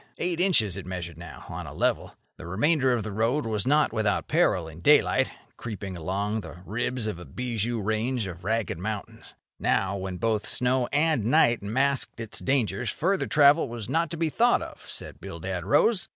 Eight inches it measured now, on a level. The remainder of the road was not without peril in daylight, creeping along the ribs of a bijou range of ragged mountains. Now, when both snow and night masked its dangers, further travel was not to be thought of, said Bildad Rose.